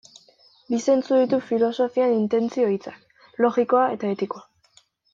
Bi zentzu ditu filosofian intentzio hitzak: logikoa eta etikoa.